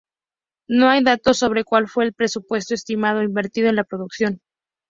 No hay datos sobre cual fue el presupuesto estimado invertido en la producción.